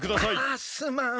あすまん。